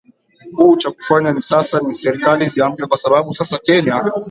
u cha kufanya ni sasa ni serikali ziamke kwa sababu sasa kenya